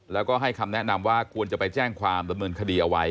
แล้วก็ให้คำแนะนำว่าควรจะไปแจ้งความดำเนินคดีเอาไว้